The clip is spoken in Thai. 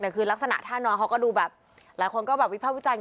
คือลักษณะท่านอนเขาก็ดูแบบหลายคนก็แบบวิภาควิจารณ์